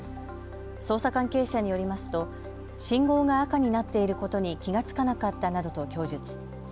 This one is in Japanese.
捜査関係者によりますと信号が赤になっていることに気が付かなかったなどと供述。